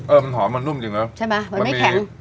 เออมันหอมมันนุ่มจริงแล้ว